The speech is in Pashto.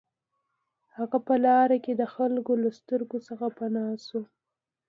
هغه په لاره کې د خلکو له سترګو څخه پناه شو